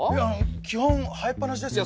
基本生えっ放しですよ。